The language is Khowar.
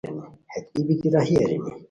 ہیت ای بیتی راہی ارینی